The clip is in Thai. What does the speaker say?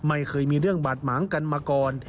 ไม่เคยมีเรื่องบาดหมางกันมาก่อน